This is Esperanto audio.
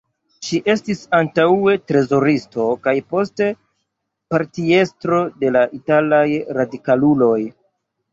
Ŝi estis antaŭe trezoristo kaj poste partiestro de la Italaj Radikaluloj.